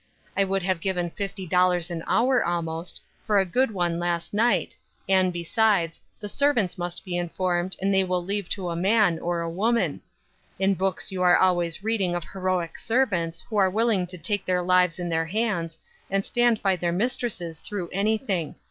I would have given fifty dollars an hour, almost, for a good one last night, and, besides, the servants must be informed, and they will leave to a man, or a woman. In books you are always reading of heroic servants who are willing to take their lives in their hands and stand by their mistresses through anything.